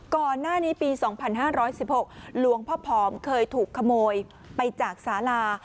ก่อนหน้านี้ปี๒๕๑๖หลวงพ่อผอมเคยถูกขโมยไปจากสาลา